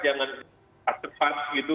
jangan cepat gitu